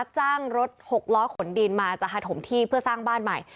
จ้างรถหกล้อขนดินมาจะหาถมที่เพื่อสร้างบ้านใหม่